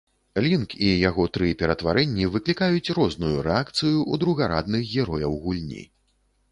Лінк і яго тры ператварэнні выклікаюць розную рэакцыю ў другарадных герояў гульні.